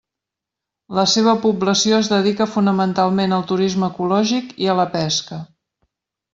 La seva població es dedica fonamentalment al turisme ecològic i a la pesca.